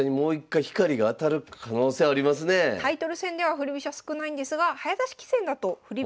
これはやっぱタイトル戦では振り飛車少ないんですが早指し棋戦だと振り